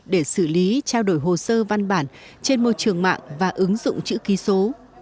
để xử lý trao đổi hồ sơ văn bản trên môi trường mạng và ứng dụng chữ ký số